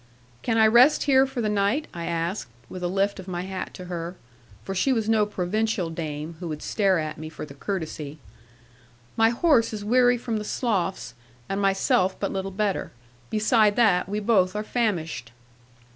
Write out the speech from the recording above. '"Can I rest here for the night?" I asked, with a lift of my hat to her; for she was no provincial dame, who would stare at me for the courtesy; "my horse is weary from the sloughs, and myself but little better: beside that, we both are famished."